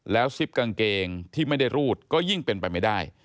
ซิปกางเกงที่ไม่ได้รูดก็ยิ่งเป็นไปไม่ได้